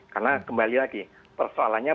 karena kembali lagi persoalannya